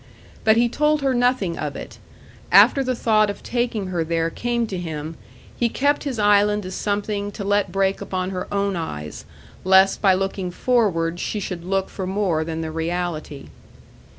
But he told her nothing of it. After the thought of taking her there came to him, he kept his island as something to let break upon her own eyes, lest by looking forward she should look for more than the reality.